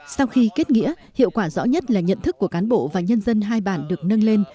sau khi kết nghĩa hiệu quả rõ nhất là nhận thức của cán bộ và nhân dân hai bản được nâng lên